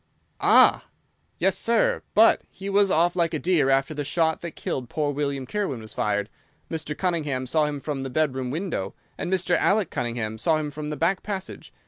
"Ah!" "Yes, sir. But he was off like a deer after the shot that killed poor William Kirwan was fired. Mr. Cunningham saw him from the bedroom window, and Mr. Alec Cunningham saw him from the back passage.